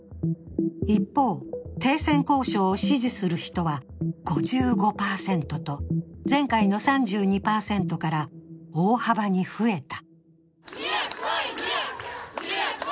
一方、停戦交渉を支持する人は５５％と前回の３２％から大幅に増えた。